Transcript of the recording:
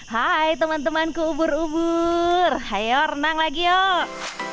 hai teman temanku ubur ubur hayo renang lagi yuk